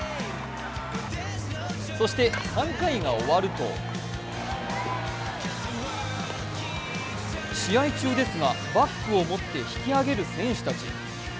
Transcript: そして３回が終わると試合中ですが、バッグを持って引き揚げる選手たち。